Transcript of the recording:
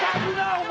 お前。